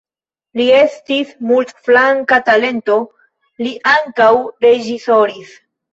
Li estis multflanka talento, li ankaŭ reĝisoris.